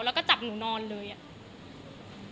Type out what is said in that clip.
แล้วก็จับหนูนอนเลยอ่ะ